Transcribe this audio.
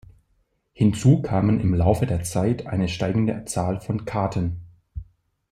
Hinzu kamen im Laufe der Zeit eine steigende Zahl von Katen.